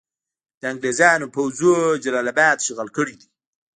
د انګریزانو پوځونو جلال اباد اشغال کړی دی.